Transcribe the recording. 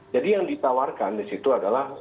jadi yang ditawarkan di situ adalah